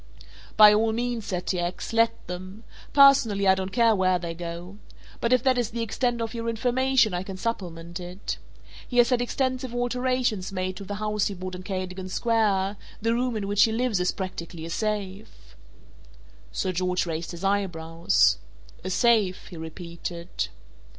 "By all means," said T. X., "let them. Personally, I don't care where they go. But if that is the extent of your information I can supplement it. He has had extensive alterations made to the house he bought in Cadogan Square; the room in which he lives is practically a safe." Sir George raised his eyebrows. "A safe," he repeated.